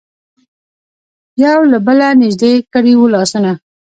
یو له بله نژدې کړي وو لاسونه.